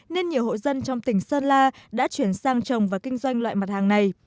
nên nhiều hộ dân trong tỉnh sơn la đã chuyển sang trồng và kinh doanh loại mặt hàng này